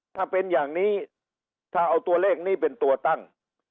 ถ้าเป็นอย่างนี้ถ้าเอาตัวเลขนี้เป็นตัวตั้ง